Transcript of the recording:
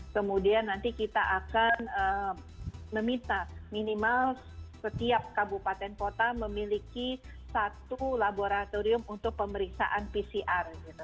kemudian nanti kita akan meminta minimal setiap kabupaten kota memiliki satu laboratorium untuk pemeriksaan pcr